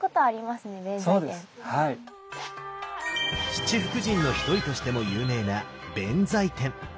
七福神の一人としても有名な弁財天。